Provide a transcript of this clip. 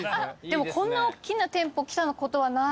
こんなおっきな店舗来たことはない。